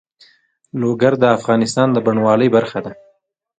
لوگر د افغانستان د بڼوالۍ برخه ده.